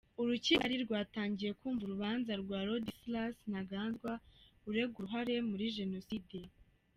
Urukiko rukuru rwa Kigali rwatangiye kumva urubanza rwa Ladislas Ntaganzwa uregwa uruhare muri genocide.